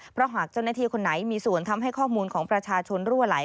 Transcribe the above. เพราะหากเจ้าหน้าที่คนไหนมีส่วนทำให้ข้อมูลของประชาชนรั่วไหล